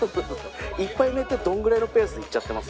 １杯目ってどんぐらいのペースでいっちゃってます？